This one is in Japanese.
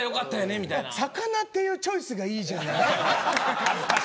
魚っていうチョイスがいいじゃない。